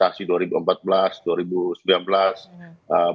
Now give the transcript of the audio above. ada pada proses kontestasi dua ribu empat belas dua ribu sembilan belas